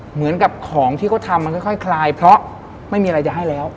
เหมือนกับของที่เขาทำมันค่อยคลายเพราะไม่มีอะไรจะให้แล้ว